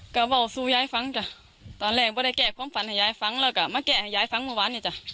ก็เล่าสู่ยายฟังจ้ะตอนแรกไม่ได้แก้ความฝันให้ยายฟังแล้วก็มาแก้ให้ยายฟังเมื่อวานเนี่ยจ้ะ